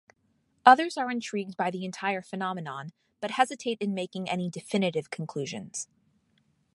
Others are intrigued by the entire phenomenon, but hesitate in making any definitive conclusions.